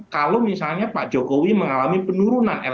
kalau misalnya pak jokowi mengalami penurunan